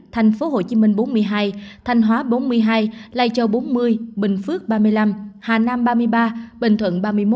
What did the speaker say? tp hcm bốn mươi hai thanh hóa bốn mươi hai lai châu bốn mươi bình phước ba mươi năm hà nam ba mươi ba bình thuận ba mươi một